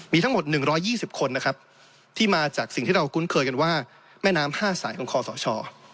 มีทั้งหมด๑๒๐คนนะครับที่มาจากสิ่งที่เราคุ้นเคยกันว่าแม่น้ำ๕สายของคอสช